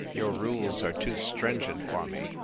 Your rules are too stringent for me.